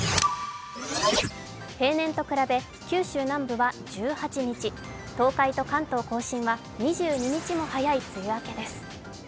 平年と比べ九州南部は１８日、東海と関東甲信は２２日も早い梅雨明けです。